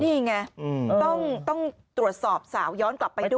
นี่ไงต้องตรวจสอบสาวย้อนกลับไปด้วย